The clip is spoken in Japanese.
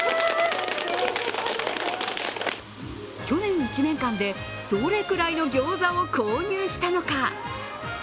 去年１年間でどれくらいのギョーザを購入したのか。